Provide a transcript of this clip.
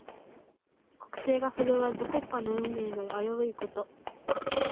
国勢が振るわず、国家の運命が危ういこと。